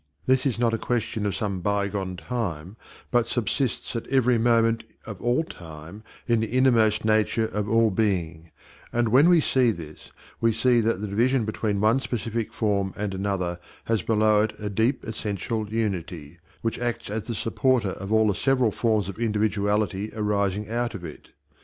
This is not a question of some bygone time, but subsists at every moment of all time in the innermost nature of all being; and when we see this, we see that the division between one specific form and another has below it a deep essential unity, which acts as the supporter of all the several forms of individuality arising out of it.